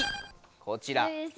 こちら。